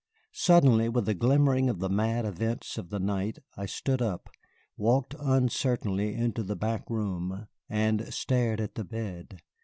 Suddenly, with a glimmering of the mad events of the night, I stood up, walked uncertainly into the back room, and stared at the bed.